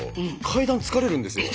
階段疲れるんですよ。